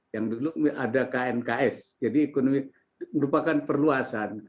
yang dulu ada knks jadi ekonomi merupakan perluasan